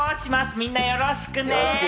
みんなよろしくね。